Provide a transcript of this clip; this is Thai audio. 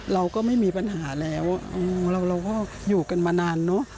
เราก็ไม่มีปัญหาแล้วเราก็อยู่กันมานานเนอะ